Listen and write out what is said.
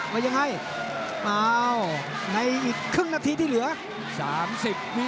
ว่าอย่างไร